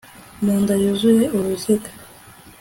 mu nda yuzuye uruziga